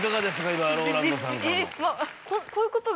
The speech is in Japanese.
今ＲＯＬＡＮＤさんからの。